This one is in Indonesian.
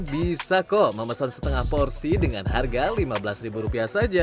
bisa kok memesan setengah porsi dengan harga lima belas ribu rupiah saja